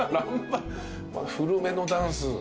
古めのダンス。